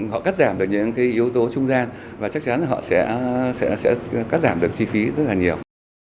họ cắt giảm được những cái yếu tố trung gian và chắc chắn là họ sẽ cắt giảm được chi phí rất là nhiều